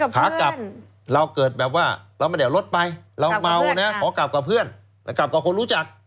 ว่าเรามาเดี่ยวรถไปเราเมานะขอกลับกับเพื่อนแล้วกลับกับคนรู้จัก